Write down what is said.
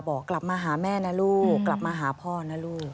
บอกกลับมาหาแม่นะลูกกลับมาหาพ่อนะลูก